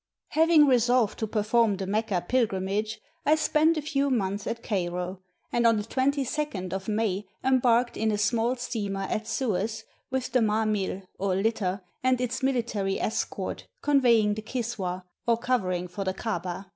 ] Having resolved to perform the Mecca pilgrimage, I spent a few months at Cairo, and on the 2 2d of May embarked in a small steamer at Suez with the mahmil, or litter, and its military escort, conveying the kiswah, or covering for the kdbah.